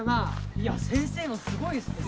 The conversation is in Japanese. いや先生もすごいですよ。